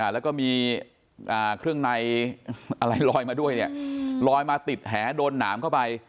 แล้วก็มีเครื่องในอะไรลอยมาด้วยเนี่ยลอยมาติดแหโดนหนามเข้าไป